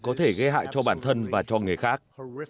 có thể gây hại cho bản thân và cho người khác